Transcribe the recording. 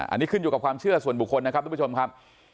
อันนี้ขึ้นอยู่กับความเชื่อส่วนบุคคลนะครับทุกผู้ชมครับ